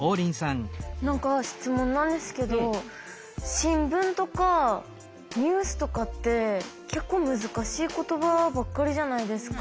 何か質問なんですけど新聞とかニュースとかって結構難しい言葉ばっかりじゃないですか。